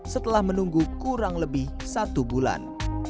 setelah menunggu kurang lebih satu bulan